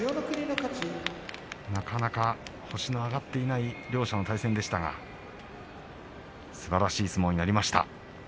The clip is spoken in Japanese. なかなか星の挙がっていない両者の対戦でしたがすばらしい相撲になりました。